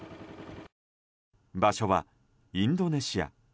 場所はインドネシア。